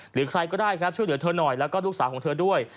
หรือใครก็ได้ครับช่วยเหลือเธอหน่อยแล้วก็ลูกสาวของเธอด้วย